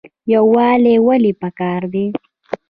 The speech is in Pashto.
یووالی ولې پکار دی؟